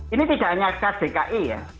ini tidak hanya khas dki ya